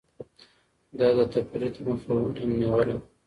ده د تفريط مخه هم نيوله.